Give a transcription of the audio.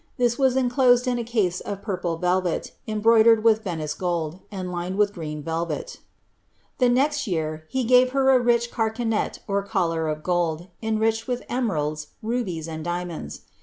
This was inclosed in a case of purple velvet, embroidered with Venice gold, and lined with green velvet"' The next year, he gave her a rich carcanet or collar of gold, enriched with emeralds, rubies, and diamonds.